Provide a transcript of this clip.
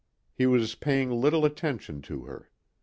He was paying little attention to her.